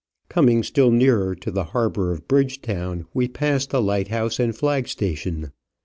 Coming still nearer to the harbour of Bridgetown we pass the lighthouse and flag station.